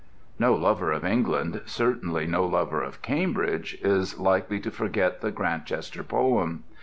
No lover of England, certainly no lover of Cambridge, is likely to forget the Grantchester poem.